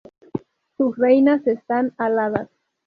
Sus reinas están aladas.